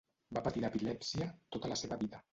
Va patir d'epilèpsia tota la seva vida.